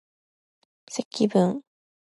積分